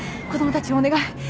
子供たちをお願い。